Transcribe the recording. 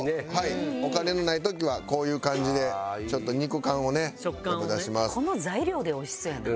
お金のない時はこういう感じでちょっと肉感をね出します。